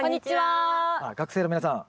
学生の皆さん。